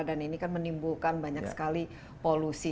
dan ini kan menimbulkan banyak sekali polusi